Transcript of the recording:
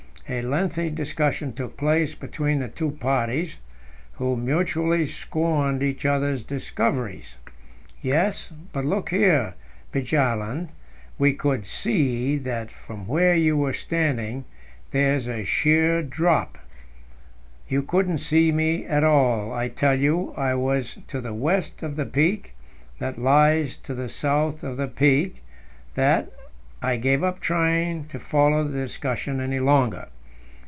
A lengthy discussion took place between the two parties, who mutually scorned each other's "discoveries." "Yes; but look here, Bjaaland, we could see that from where you were standing there's a sheer drop " "You couldn't see me at all. I tell you I was to the west of the peak that lies to the south of the peak that" I gave up trying to follow the discussion any longer.